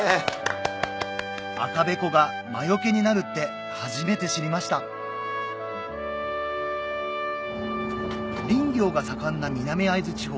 赤べこが魔よけになるって初めて知りました林業が盛んな南会津地方